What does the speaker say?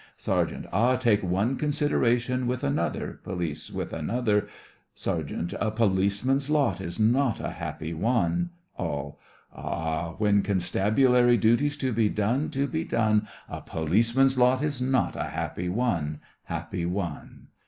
SERGEANT: Ah, take one consideration with another, POLICE: With another, SERGEANT: A policeman's lot is not a happy one. ALL: Ah, when constabulary duty's to be done, to be done, A policeman's lot is not a happy one, happy one.